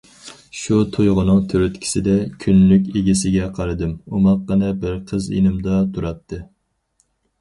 شۇ تۇيغۇنىڭ تۈرتكىسىدە كۈنلۈك ئىگىسىگە قارىدىم، ئوماققىنە بىر قىز يېنىمدا تۇراتتى.